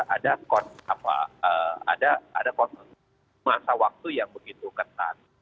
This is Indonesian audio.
ada masa waktu yang begitu ketat